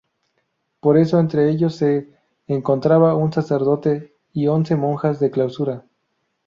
Por eso entre ellos se encontraba un sacerdote y once monjas de clausura.